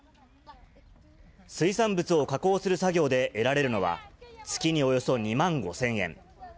水産物を加工する作業で得られるのは、月におよそ２万５０００円。